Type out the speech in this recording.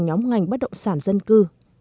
nhóm ngành bất động sản dân cư